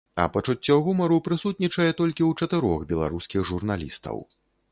А пачуццё гумару прысутнічае толькі ў чатырох беларускіх журналістаў.